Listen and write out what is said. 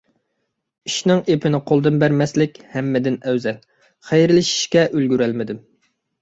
ئىشنىڭ ئېپىنى قولدىن بەرمەسلىك ھەممىدىن ئەۋزەل، خەيرلىشىشكە ئۈلگۈرەلمىدىم.